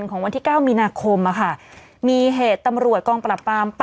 ของวันที่เก้ามีนาคมอะค่ะมีเหตุต่ำรวจกรรมปรับปราม